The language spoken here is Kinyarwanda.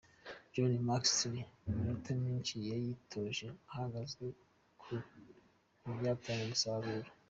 Johnny McKinstry iminota myinshi yayitoje ahagaze gusa ntibyatanga umusaruro.